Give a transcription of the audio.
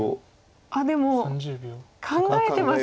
あっでも考えてますね。